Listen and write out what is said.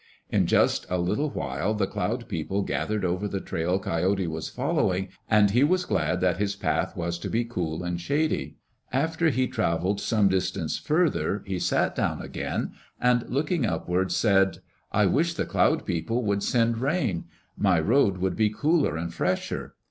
In just a little while the Cloud People gathered over the trail Coyote was following and he was glad that his path was to be cool and shady. After he travelled some distance further, he sat down again and looking upward said, "I wish the Cloud People would send rain. My road would be cooler and fresher."